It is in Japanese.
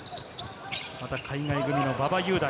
また海外組の馬場雄大。